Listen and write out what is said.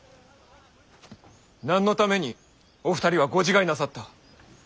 何のためにお二人はご自害なさった？